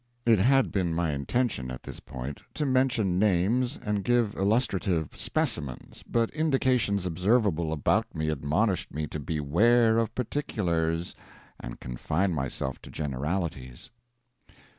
[It had been my intention, at this point, to mention names and give illustrative specimens, but indications observable about me admonished me to beware of particulars and confine myself to generalities.